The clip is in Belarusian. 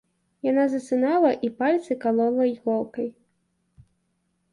Яна засынала і пальцы калола іголкай.